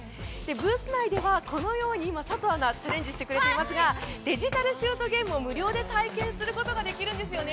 ブース内ではこのように今、佐藤アナがチャレンジしてくれていますがデジタルシュートゲームを無料で体験することができるんですよね。